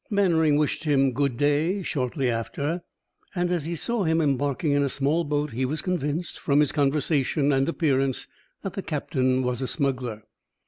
Mannering wished him good day shortly after, and as he saw him embarking in a small boat, he was convinced, from his conversation and appearance, that the captain was a smuggler.